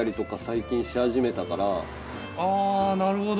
あぁなるほど。